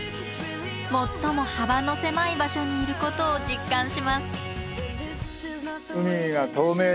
最も幅の狭い場所にいることを実感します。